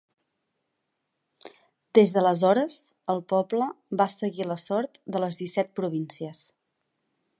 Des d'aleshores, el poble va seguir la sort de les Disset Províncies.